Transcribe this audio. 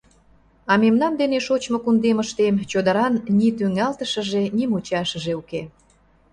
А мемнан дене, шочмо кундемыштем, чодыран ни тӱҥалтышыже, ни мучашыже уке.